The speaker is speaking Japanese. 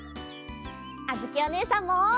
あづきおねえさんも！